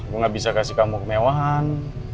gue gak bisa kasih kamu kemewahan